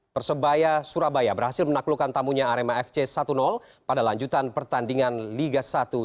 persebaya surabaya berhasil menaklukkan tamunya arema fc satu pada lanjutan pertandingan liga satu dua ribu